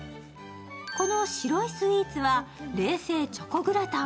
この白いスイーツは冷製チョコグラタン。